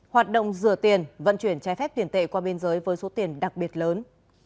hoạt động rửa tiền vận chuyển trái phép tiền tệ qua biên giới với số tiền đặc biệt lớn